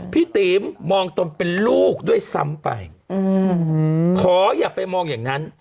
พี่ตีมมองตนเป็นลูกด้วยซ้ำไปขออย่าไปมองอย่างนั้น